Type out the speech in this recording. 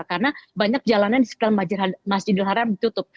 karena banyak jalanan di sekitar masjidil haram ditutup